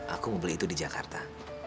aku mau beli itu di jakarta